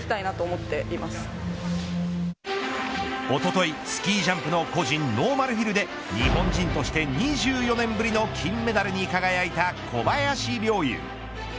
おとといスキージャンプの個人ノーマルヒルで日本人として２４年ぶりの金メダルに輝いた小林陵侑。